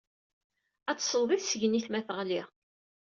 Ad tesleḍ i tessegnit ma teɣli.